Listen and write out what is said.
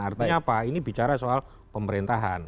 artinya apa ini bicara soal pemerintahan